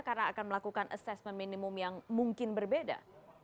karena akan melakukan assessment minimum yang mungkin berbeda